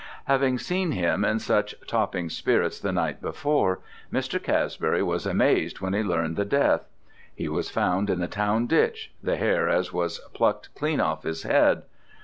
] Having seen him in such topping spirits the night before, Mr. Casbury was amaz'd when he learn'd the death. He was found in the town ditch, the hair as was said pluck'd clean off his head.